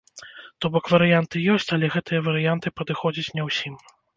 То бок варыянты ёсць, але гэтыя варыянты падыходзяць не ўсім.